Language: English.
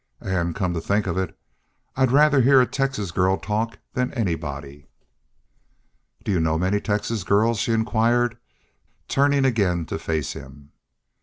An', come to think of it, I'd rather hear a Texas girl talk than anybody." "Did y'u know many Texas girls?" she inquired, turning again to face him.